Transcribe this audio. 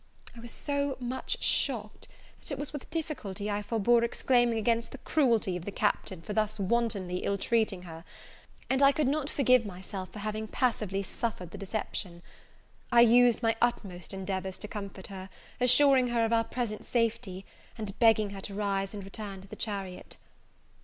I was so much shocked, that it was with difficulty I forebore exclaiming against the cruelty of the Captain for thus wantonly ill treating her; and I could not forgive myself for having passively suffered the deception. I used my utmost endeavours to comfort her, assuring her of our present safety, and begging her to rise and return to the chariot.